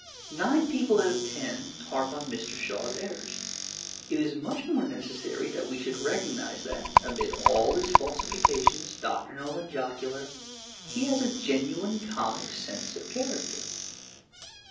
Nine people out of ten harp on Mr. Shaw's errors. It is much more necessary that we should recognize that, amid all his falsifications, doctrinal and jocular, he has a genuine comic sense of character.